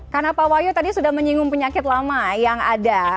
karena pak wahyu tadi sudah menyinggung penyakit lama yang ada